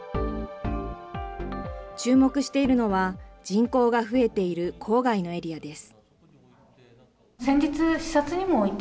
注目しているのは、人口が増えている郊外のエリアです。